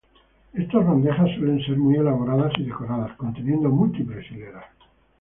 Estas bandejas suelen ser muy elaboradas y decoradas, conteniendo múltiples hileras.